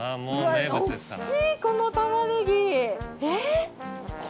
この玉ねぎ！えっ？